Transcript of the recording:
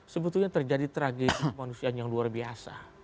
sebetulnya terjadi tragedi kemanusiaan yang luar biasa